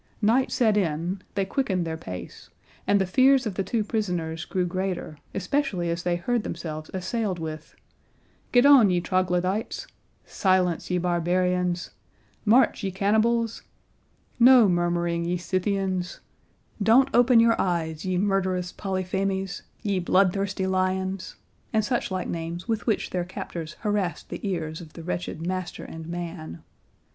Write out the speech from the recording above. Night set in, they quickened their pace, and the fears of the two prisoners grew greater, especially as they heard themselves assailed with "Get on, ye Troglodytes;" "Silence, ye barbarians;" "March, ye cannibals;" "No murmuring, ye Scythians;" "Don't open your eyes, ye murderous Polyphemes, ye blood thirsty lions," and suchlike names with which their captors harassed the ears of the wretched master and man.